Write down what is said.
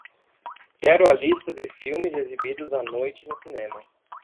Quero a lista de filmes exibidos à noite no cinema